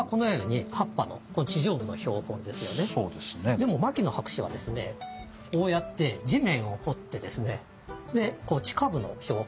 でも牧野博士はですねこうやって地面を掘ってですね地下部の標本ですね。